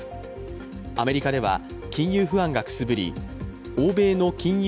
アメリカでは金融不安がくすぶり欧米の金融